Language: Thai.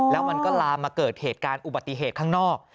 แล้วมันก็ลามมาเกิดเหตุการณ์อุบัติเหตุข้างนอก